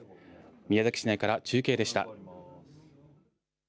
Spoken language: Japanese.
宮崎市内から中継でした。